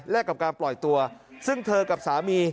และกับการปล่อยตัวซึ่งเธอกับสามี